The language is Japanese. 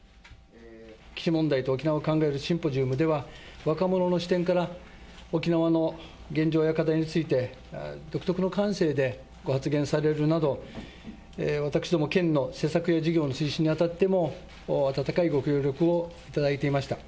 基地問題と沖縄を考えるシンポジウムでは、若者の視点から、沖縄の現状や課題について、独特の感性でご発言されるなど、私ども県の政策や事業の推進にあたっても、温かいご協力を頂いていました。